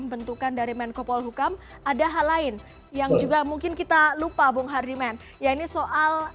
bentukan dari menko polhukam ada hal lain yang juga mungkin kita lupa bung hardiman ya ini soal